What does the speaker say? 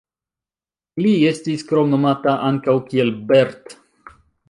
Li estis kromnomata ankaŭ kiel Bert.